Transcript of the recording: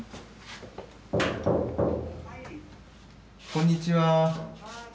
こんにちは。